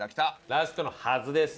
ラストのはずです。